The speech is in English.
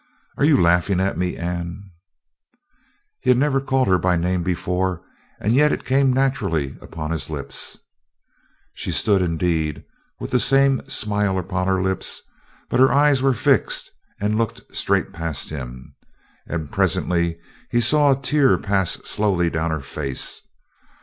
"Are you laughing at me, Anne?" He had never called her by her name before, and yet it came naturally upon his lips. She stood, indeed, with the same smile upon her lips, but her eyes were fixed and looked straight past him. And presently he saw a tear pass slowly down her face.